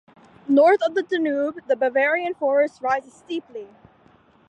North of the Danube the Bavarian Forest rises steeply.